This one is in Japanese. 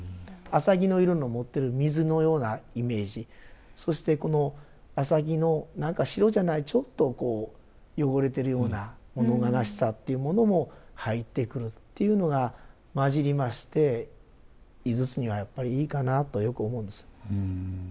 浅葱の色の持ってる水のようなイメージそしてこの浅葱の何か白じゃないちょっとこう汚れてるような物悲しさっていうものも入ってくるっていうのが混じりまして「井筒」にはやっぱりいいかなとよく思うんです。